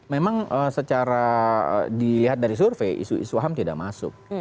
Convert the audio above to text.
memang secara dilihat dari survei isu isu ham tidak masuk